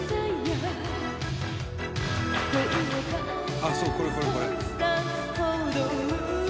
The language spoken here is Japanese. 「あっそうこれこれこれ」